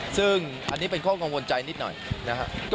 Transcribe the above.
ซึ่งอันนี้เป็นข้อกังวลใจนิดหน่อยนะครับ